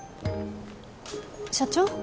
社長？